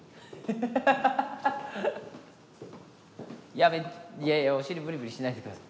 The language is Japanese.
やめいやいやお尻ぶりぶりしないで下さい。